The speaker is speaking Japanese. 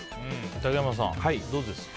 竹山さん、どうですか？